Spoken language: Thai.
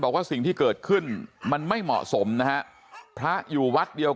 บอกว่าสิ่งที่เกิดขึ้นมันไม่เหมาะสมนะฮะพระอยู่วัดเดียว